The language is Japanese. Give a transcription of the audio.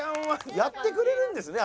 やってくれるんですね